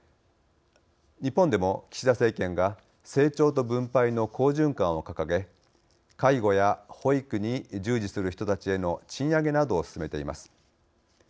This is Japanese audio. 日本でも岸田政権が「成長と分配の好循環」を掲げ介護や保育に従事する人たちへの賃上げなどを進めています。